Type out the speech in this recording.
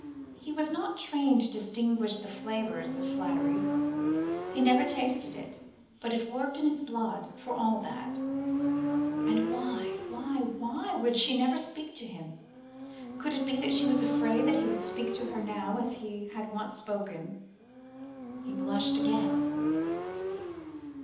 He was not trained to distinguish the flavours of flatteries. He never tasted it, but it worked in his blood, for all that. And why, why, why would she never speak to him? Could it be that she was afraid that he would speak to her now as he had once spoken? He blushed again.